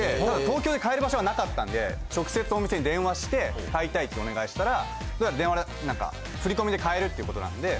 東京で買える場所はなかったんで直接お店に電話して買いたいってお願いしたら振込で買えるっていう事なんで。